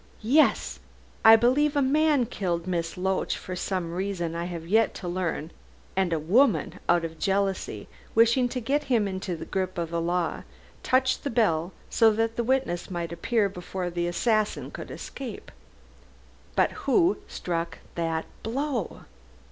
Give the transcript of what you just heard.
Yes! I believe a man killed Miss Loach, for some reason I have yet to learn, and a woman, out of jealousy, wishing to get him into the grip of the law, touched the bell so that witnesses might appear before the assassin could escape. But who struck the blow?"